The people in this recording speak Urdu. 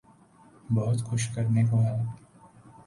بہت کچھ کرنے کو ہے۔